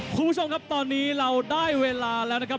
คุณผู้ชมครับตอนนี้เราได้เวลาแล้วนะครับ